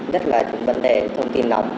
rất là nhiều vấn đề thông tin nóng